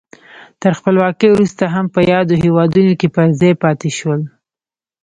تر خپلواکۍ وروسته هم په یادو هېوادونو کې پر ځای پاتې شول.